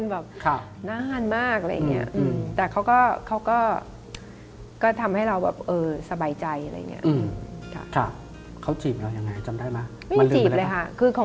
นับไหมคะเวลาเรามีความสุข